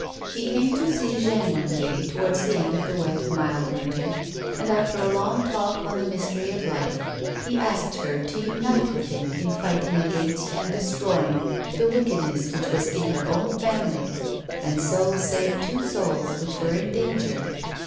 He came to see Jeanne one day towards the end of the wet, mild winter, and, after a long talk on the mystery of life, he asked her to unite with him in fighting against and destroying the wickedness which was in her own family, and so save two souls which were in danger.